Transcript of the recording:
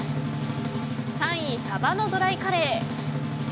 ３位、さばのドライカレー。